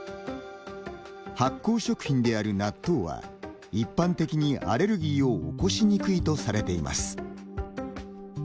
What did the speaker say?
発酵食品である納豆は一般的にアレルギーを起こしにくいとされています。